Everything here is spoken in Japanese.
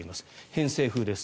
偏西風です。